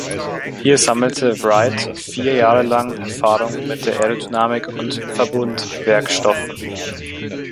Hier sammelte Wright vier Jahre lang Erfahrung mit Aerodynamik und Verbundwerkstoffen.